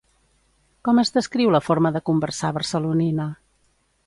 Com es descriu la forma de conversar barcelonina?